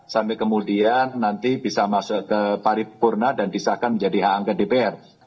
sampai kemudian nanti bisa masuk ke paripurna dan disahkan menjadi hak angket dpr